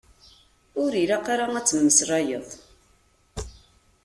Ur ilaq ara ad temmeslayeḍ.